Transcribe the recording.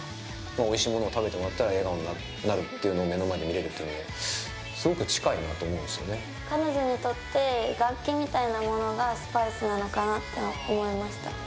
おいしいものを食べてもらったら笑顔になるというのを目の前で見れるというのは彼女にとって楽器みたいなものがスパイスなのかなって思いました。